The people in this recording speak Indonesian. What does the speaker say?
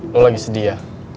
lo lagi sedih ya